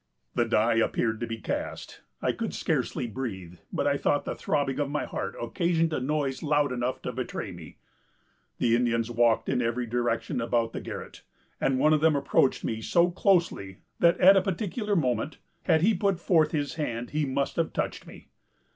"The die appeared to be cast. I could scarcely breathe; but I thought the throbbing of my heart occasioned a noise loud enough to betray me. The Indians walked in every direction about the garret; and one of them approached me so closely, that, at a particular moment had he put forth his hand, he must have touched me.